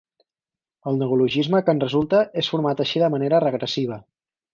El neologisme que en resulta és format així de manera regressiva.